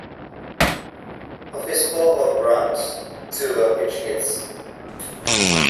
Of his four home runs, two were pinch hits.